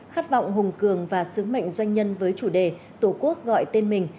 khát vọng hùng cường và sứ mệnh doanh nhân với chủ đề tổ quốc gọi tên mình